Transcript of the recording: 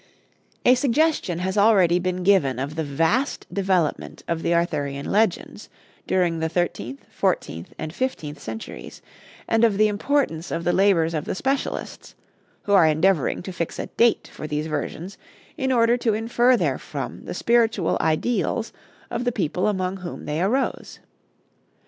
A suggestion has already been given of the vast development of the Arthurian legends during the thirteenth, fourteenth, and fifteenth centuries, and of the importance of the labors of the specialists, who are endeavoring to fix a date for these versions in order to infer therefrom the spiritual ideals of the people among whom they arose.